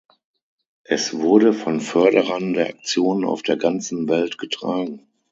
Es wurde von Förderern der Aktion auf der ganzen Welt getragen.